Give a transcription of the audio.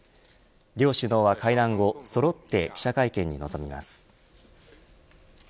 両首脳は会談後そろって記者会見に臨みます。